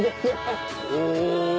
お！